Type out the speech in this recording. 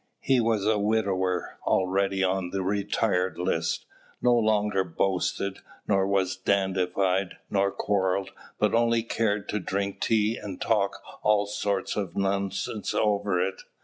He was a widower, already on the retired list, no longer boasted, nor was dandified, nor quarrelled, but only cared to drink tea and talk all sorts of nonsense over it.